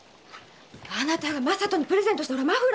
あなたが正人にプレゼントしたほらマフラー。